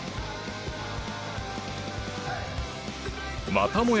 またもや